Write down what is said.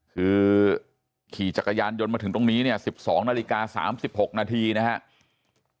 คือขี่จักรยานยนต์มาถึงตรงนี้เนี่ย๑๒นาฬิกา๓๖นาทีนะครับ